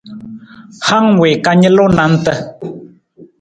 Hang wii ka nalu nanta.